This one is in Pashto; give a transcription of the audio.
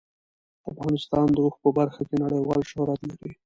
افغانستان د اوښ په برخه کې نړیوال شهرت لري.